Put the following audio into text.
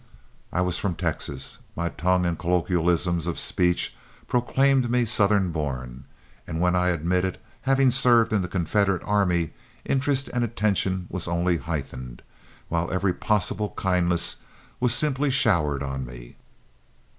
I was from Texas, my tongue and colloquialisms of speech proclaimed me Southern born, and when I admitted having served in the Confederate army, interest and attention was only heightened, while every possible kindness was simply showered on me.